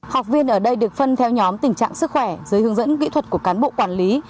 học viên ở đây được phân theo nhóm tình trạng sức khỏe dưới hướng dẫn kỹ thuật của cán bộ quản lý